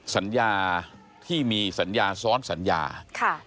สัญญาที่มีสัญญาซ้อนสัญญาค่ะ